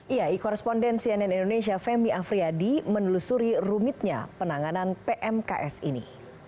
iyai koresponden cnn indonesia femi afriyadi menelusuri rumitnya penanganan pmks ini